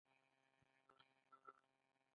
د شاه تره عرق د څه لپاره وڅښم؟